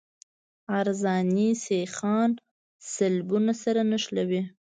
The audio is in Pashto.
عرضاني سیخان سلبونه سره نښلوي